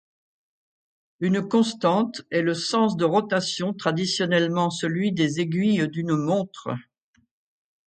Une constante est le sens de rotation, traditionnellement celui des aiguilles d'une montre.